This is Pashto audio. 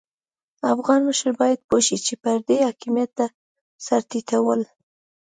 افغان مشر بايد پوه شي چې پردي حاکميت ته سر ټيټول.